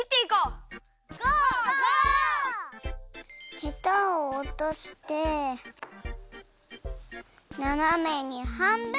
ヘタをおとしてななめにはんぶん！